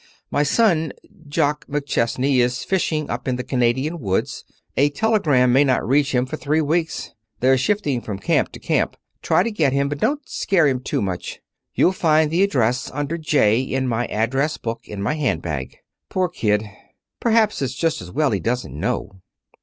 My son, Jock McChesney, is fishing up in the Canadian woods. A telegram may not reach him for three weeks. They're shifting about from camp to camp. Try to get him, but don't scare him too much. You'll find the address under J. in my address book in my handbag. Poor kid. Perhaps it's just as well he doesn't know."